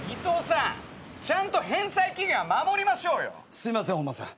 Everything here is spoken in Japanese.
すいません本間さん